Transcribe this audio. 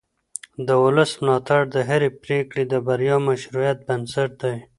د ولس ملاتړ د هرې پرېکړې د بریا او مشروعیت بنسټ دی